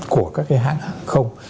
của các cái hãng không